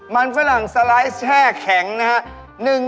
มันฝรั่งสไลด์แช่แข็งนะฮะ